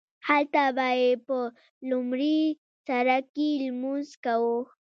هلته به یې په لومړي سرکې لمونځ کاوو.